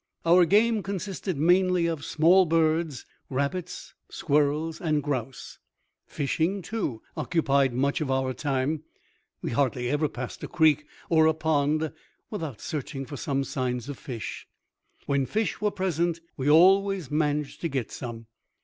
Our game consisted mainly of small birds, rabbits, squirrels and grouse. Fishing, too, occupied much of our time. We hardly ever passed a creek or a pond without searching for some signs of fish. When fish were present, we always managed to get some.